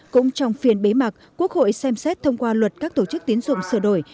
cũng trong phiên bế mạc quốc hội xem xét thông qua luật các tổ chức tiến dụng sửa đổi